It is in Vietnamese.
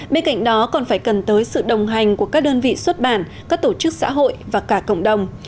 bên cạnh đó còn phải cần tới sự đồng hành của các đơn vị xuất bản các tổ chức xã hội và cả cộng đồng